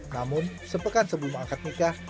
namun sepekan sebelum mengangkat nikah